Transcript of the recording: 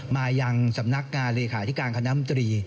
มายังสำนักงานเลขาธิการคณะมตรี